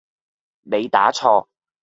你打錯